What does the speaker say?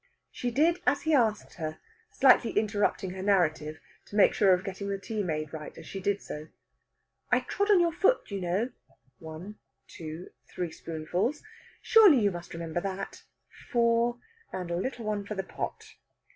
She did as he asked her, slightly interrupting her narrative to make sure of getting the tea made right as she did so. "I trod on your foot, you know. (One, two, three spoonfuls.) Surely you must remember that? (Four, and a little one for the pot.)"